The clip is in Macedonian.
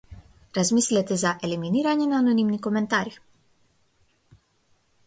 Размислете за елиминирање на анонимни коментари.